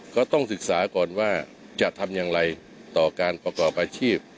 ก็ต้องศึกษาก่อนว่าจะทำอย่างไรต่อการประกอบอาชีพ